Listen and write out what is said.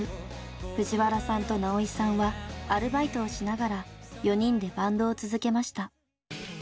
藤原さんと直井さんはアルバイトをしながら４人でバンドを続けました。